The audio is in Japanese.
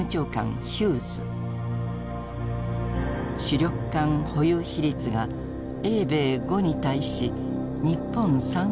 主力艦保有比率が英米５に対し日本３が定められた。